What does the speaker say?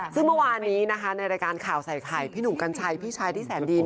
ซึ่งเมื่อวานนี้นะคะในรายการข่าวใส่ไข่พี่หนุ่มกัญชัยพี่ชายที่แสนดี